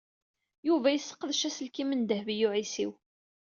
Yuba yesseqdec aselkim n Dehbiya u Ɛisiw.